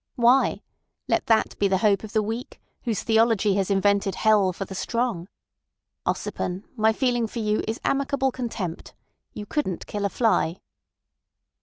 "Why? Let that be the hope of the weak, whose theology has invented hell for the strong. Ossipon, my feeling for you is amicable contempt. You couldn't kill a fly."